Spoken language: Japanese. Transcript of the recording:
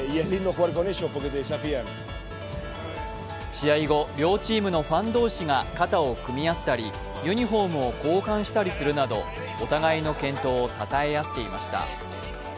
試合後、両チームのファン同士が肩を組み合ったりユニフォームを交換したりするなど、お互いの健闘をたたえ合っていました。